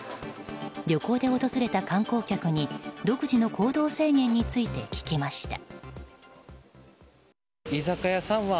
旅行で訪れた観光客に独自の行動制限について聞きました。